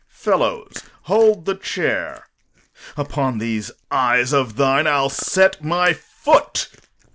Fellows, hold the chair. Upon these eyes of thine I'll set my foot.